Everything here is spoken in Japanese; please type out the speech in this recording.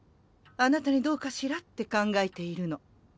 あなたにどうかしらって考えているの。